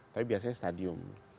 tapi biasanya stadium